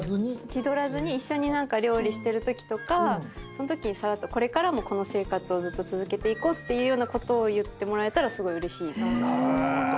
気取らずに一緒に何か料理してるときとかそのときにさらっとこれからもこの生活をずっと続けていこうっていうようなことを言ってもらえたらすごいうれしい。